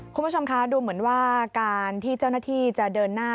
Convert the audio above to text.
คุณผู้ชมคะดูเหมือนว่าการที่เจ้าหน้าที่จะเดินหน้า